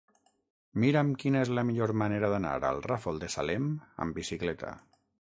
Mira'm quina és la millor manera d'anar al Ràfol de Salem amb bicicleta.